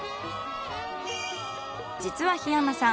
実は檜山さん